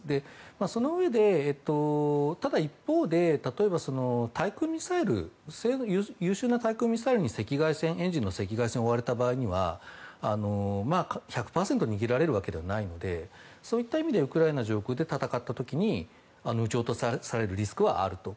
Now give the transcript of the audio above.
そのうえで、ただ一方で例えば優秀な対空ミサイルにエンジンの赤外線を追われると１００％逃げられるわけではないのでそういった意味でウクライナ上空で戦った時に撃ち落とされるリスクはあると。